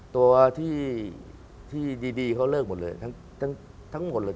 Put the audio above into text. ตัวที่ดีเขาเลิกหมดเลยทั้งหมดเลย